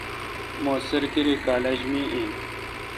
می سرکیری کالج می این۔